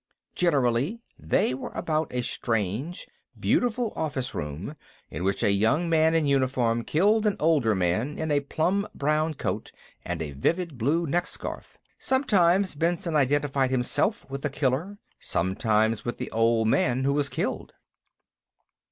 Generally, they were about a strange, beautiful, office room, in which a young man in uniform killed an older man in a plum brown coat and a vivid blue neck scarf. Sometimes Benson identified himself with the killer; sometimes with the old man who was killed.